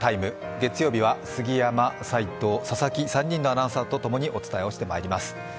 月曜日は杉山、齋藤、佐々木、３人のアナウンサーとともにお伝えしてまいります。